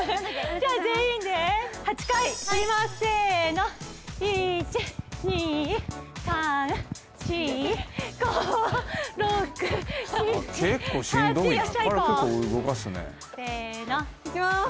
じゃあ全員で８回跳びますせの１２３４５６７８よっしゃいこうせのいきます